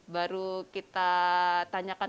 baru kita tanyakan